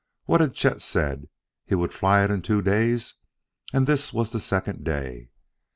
What had Chet said? He would fly it in two days and this was the second day!